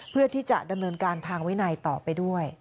เพื่อที่จะดำเนินการทางวินัยต่อไปด้วย